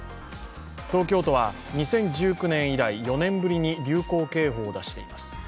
東京都は、２０１９年以来、４年ぶりに流行警報を出しています。